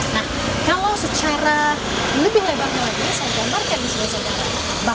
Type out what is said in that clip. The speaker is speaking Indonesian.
nah kalau secara lebih lebar lagi saya pembaharkan di sisi sekarang